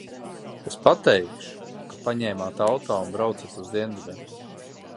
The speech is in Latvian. Es pateikšu, ka paņēmāt auto un braucat uz dienvidiem.